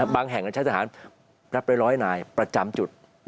บางแห่งการใช้สหารรับไปร้อยนายประจำจุด